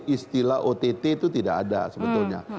istilah ott itu tidak ada sebetulnya